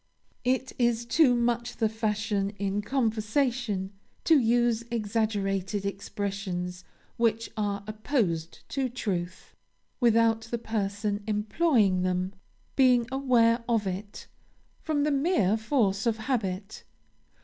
It is too much the fashion, in conversation, to use exaggerated expressions which are opposed to truth, without the person employing them being aware of it, from the mere force of habit.